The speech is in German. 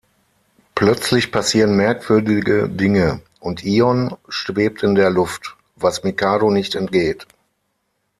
Plötzlich passieren merkwürdige Dinge, und Ion schwebt in der Luft, was Mikado nicht entgeht.